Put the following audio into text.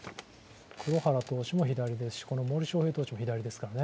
黒原投手も左ですし森投手も左ですからね。